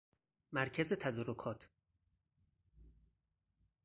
مرکز تدارکات